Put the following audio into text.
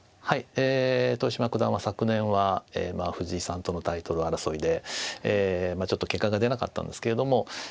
はい豊島九段は昨年は藤井さんとのタイトル争いでちょっと結果が出なかったんですけれども。